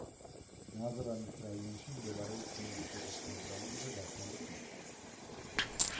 ნაზრანის რაიონი მდებარეობს ინგუშეთის ცენტრალურ და დასავლეთ ნაწილში.